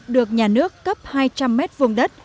được nhà nước cấp hai trăm linh mét vùng đất